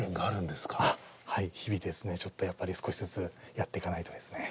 あっはい日々ですねちょっとやっぱり少しずつやっていかないとですね。